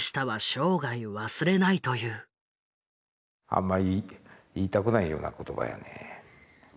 あまり言いたくないような言葉やね。